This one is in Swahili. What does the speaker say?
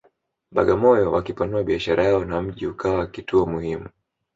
Bagamoyo wakipanua biashara yao na mji ukawa kituo muhimu